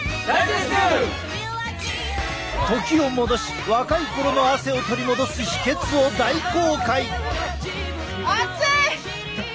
時を戻し若いころの汗を取り戻す秘けつを大公開！